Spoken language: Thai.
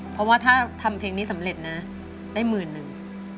เพราะว่าถ้าทำเพลงนี้สำเร็จนะได้หมื่นหนึ่ง